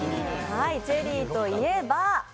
「チェリー」といえば、